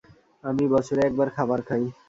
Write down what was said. আমি বছরে একবার খাবার খাই।